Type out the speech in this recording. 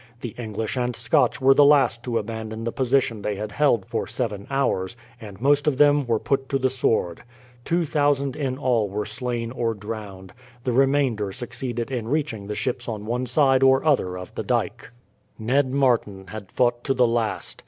The English and Scotch were the last to abandon the position they had held for seven hours, and most of them were put to the sword. Two thousand in all were slain or drowned, the remainder succeeded in reaching the ships on one side or other of the dyke. Ned Martin had fought to the last.